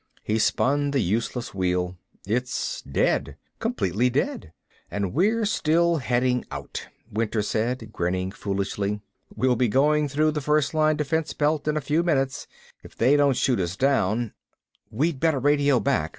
He spun the useless wheel. "It's dead, completely dead." "And we're still heading out," Winter said, grinning foolishly. "We'll be going through the first line defense belt in a few minutes. If they don't shoot us down " "We better radio back."